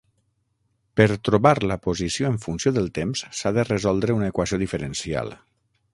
Per trobar la posició en funció del temps s'ha de resoldre una equació diferencial.